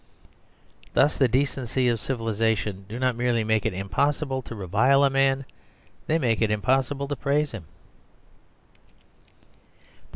Thus the decencies of civilisation do not merely make it impossible to revile a man, they make it impossible to praise him.